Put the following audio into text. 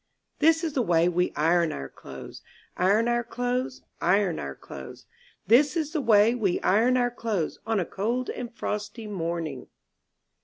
This is the way we iron our clothes. Iron our clothes, iron our clothes ; This is the way we iron our clothes, On a cold and frosty morning.